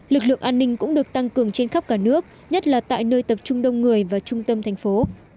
lực lượng an ninh cũng được tăng cường trên khắp cả nước nhất là tại nơi tập trung đông người và trung tâm thành phố